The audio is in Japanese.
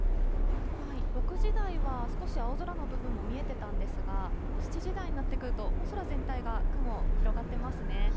６時台は少し青空の部分も見えてたんですが、もう７時台になってくると、もう空全体が雲、広がってますね。